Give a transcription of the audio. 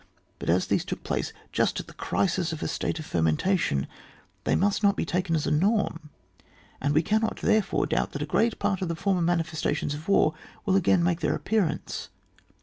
But as these took place just at the crisis of a state of fermentation, they must not be taken as a norm ; and we cannot, therefore, doubt that a great part of the former manifestations of war, will again make their appearance.